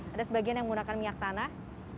ada sebagian yang menggunakan minyak tanah